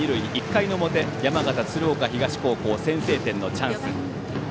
１回の表、山形・鶴岡東高校先制点のチャンス。